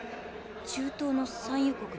中東の産油国ね。